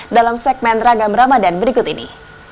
dalam segmen ragam ramadan berikut ini